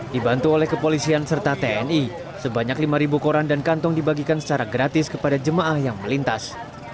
dibantu oleh kepolisian serta tni sebanyak lima koran dan kantong dibagikan secara gratis kepada jemaah yang melintas